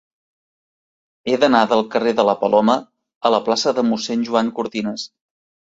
He d'anar del carrer de la Paloma a la plaça de Mossèn Joan Cortinas.